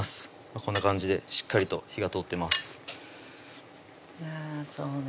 こんな感じしっかりと火が通ってますそうね